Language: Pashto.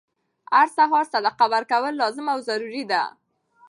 هر سهار صدقه ورکول لازم او ضروري ده،